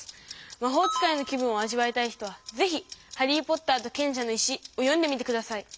まほう使いの気分をあじわいたい人はぜひ「ハリー・ポッターと賢者の石」を読んでみて下さい。